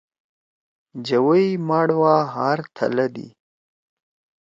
جوَئی ماڑ وا ہار تھلَدی۔